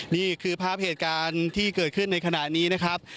นี่คือภาพเหตุการณ์ที่เกิดขึ้นในขณะนี้นะครับ